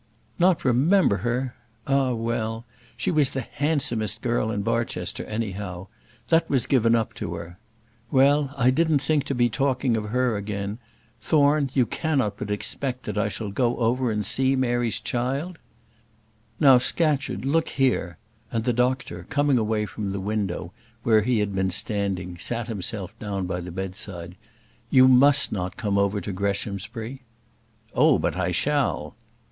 "Not remember her! ah, well. She was the handsomest girl in Barchester, anyhow. That was given up to her. Well, I didn't think to be talking of her again. Thorne, you cannot but expect that I shall go over and see Mary's child?" "Now, Scatcherd, look here," and the doctor, coming away from the window, where he had been standing, sat himself down by the bedside, "you must not come over to Greshamsbury." "Oh! but I shall."